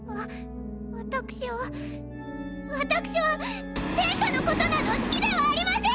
わ私は私は殿下のことなど好きではありません！